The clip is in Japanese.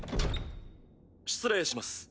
失礼します